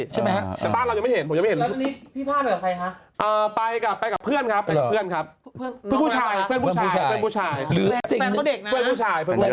ใช่ไหม